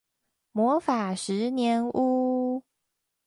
魔法十年屋